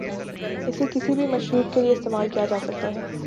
اسے کسی بھی مشروب کے لئے استعمال کیا جاسکتا ہے ۔